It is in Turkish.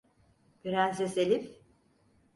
Prenses Elif?